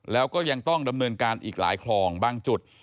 แล้วก็ยังต้องดำเนินการอีกหลายคลองบางจุด